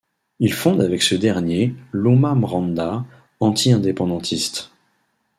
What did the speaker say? Il fonde avec ce dernier l'Umma-Mranda, anti-indépendantiste.